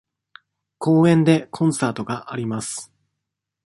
公園でコンサートがあります。